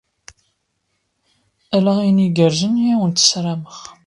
Ala ayen igerrzen i awent-ssarameɣ.